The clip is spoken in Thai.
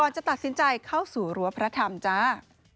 จะตัดสินใจเข้าสู่รั้วพระธรรมจ้า